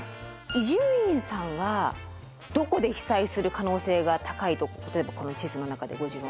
伊集院さんはどこで被災する可能性が高いと例えばこの地図の中で。